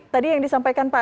tadi yang disampaikan pak